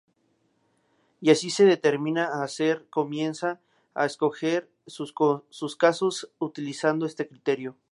Y así se determina a hacer: comienza a escoger sus casos utilizando este criterio.